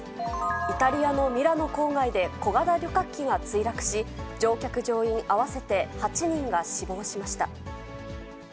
イタリアのミラノ郊外で、小型旅客機が墜落し、乗客・乗員合わせて８人が死亡しました。